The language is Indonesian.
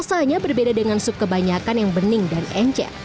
kiannya berbeda dengan sup kebanyakan yang bening dan encer